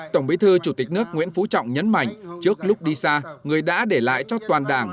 tổng bí thư chủ tịch nước nguyễn phú trọng nhấn mạnh trước lúc đi xa người đã để lại cho toàn đảng